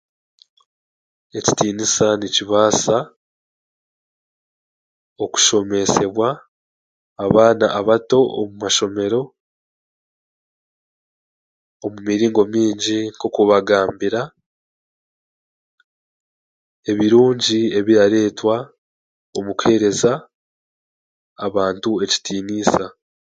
Ekitiniisa nikibaasa okushomeesebwa abaana abato omu mashomero omu miringo mingi nk'oku bagambira ebirungi ebiraretwa omu kuheereza abantu ekitiniisa